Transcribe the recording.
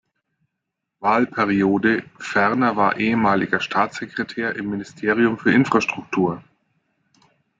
Wahlperiode, ferner war ehemaliger Staatssekretär im Ministerium für Infrastruktur.